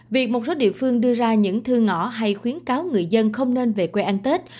việc một số địa phương đưa ra những thư ngõ hay khuyến cáo người dân không nên về quê ăn tết